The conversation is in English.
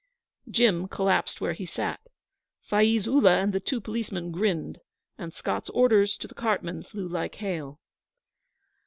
Jim collapsed where he sat; Faiz Ullah and the two policemen grinned; and Scott's orders to the cartmen flew like hail.